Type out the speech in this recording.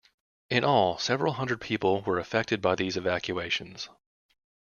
In all, several hundred people were affected by these evacuations.